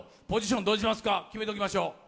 ポジションどうしますか、決めておきましょう。